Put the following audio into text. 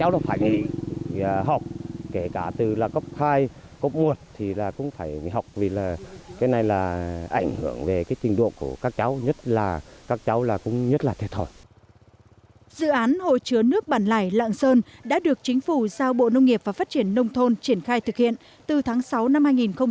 dự án hồ chứa nước bản lải lạng sơn đã được chính phủ giao bộ nông nghiệp và phát triển nông thôn triển khai thực hiện từ tháng sáu năm hai nghìn một mươi chín